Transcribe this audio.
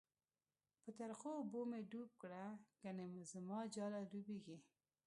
په ترخو اوبو می ډوب کړه، گڼی زماجاله ډوبیږی